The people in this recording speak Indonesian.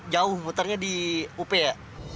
jauh muternya di up ya